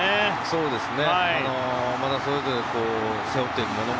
そうですね。